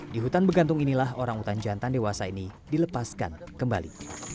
di hutan begantung inilah orangutan jantan dewasa ini dilepaskan kembali